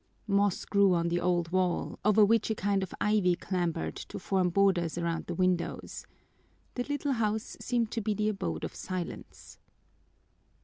Moss grew on the old wall, over which a kind of ivy clambered to form borders around the windows. The little house seemed to be the abode of silence.